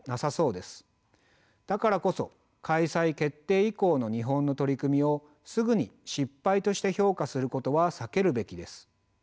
だからこそ開催決定以降の日本の取り組みをすぐに失敗として評価することは避けるべきです。